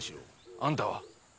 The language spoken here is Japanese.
あんたはっ？